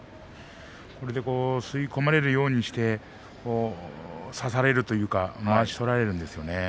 これで吸い込まれるようにして差されるというかまわしを取られるんですね。